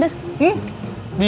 lo bisa gak makan pedes